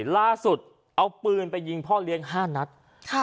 ล่าสุดเอาปืนไปยิงพ่อเลี้ยง๕นัด